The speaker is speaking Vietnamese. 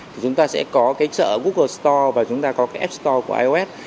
thì chúng ta sẽ có cái chợ google store và chúng ta có cái app store của ios